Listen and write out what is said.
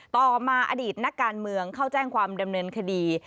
ต่อมาอดีตนักการเมืองเข้าแจ้งความดำเนินคดี